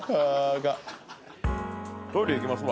トイレ行きますわ。